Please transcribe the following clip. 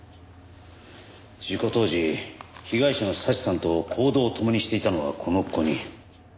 事故当時被害者の早智さんと行動を共にしていたのはこの５人。